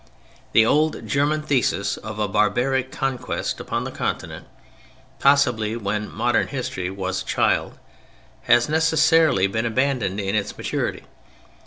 The old German thesis of a barbaric "conquest" upon the Continent, possible when modern history was a child, has necessarily been abandoned in its maturity.